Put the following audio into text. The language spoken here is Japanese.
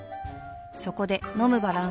そこで飲むバランス栄養食